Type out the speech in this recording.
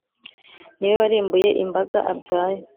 Niwe warimbuye imbaga abyaye